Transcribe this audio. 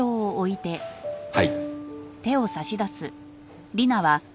はい。